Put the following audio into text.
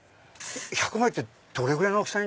１００枚ってどれぐらいの大きさ？